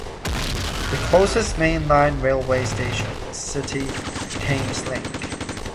The closest mainline railway station is City Thameslink.